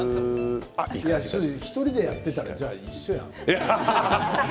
１人でやっていたら一緒やん。